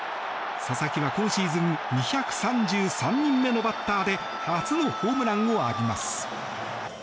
佐々木は今シーズン２３３人目のバッターで初のホームランを浴びます。